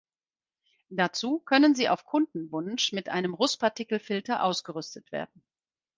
Dazu können sie auf Kundenwunsch mit einem Rußpartikelfilter ausgerüstet werden.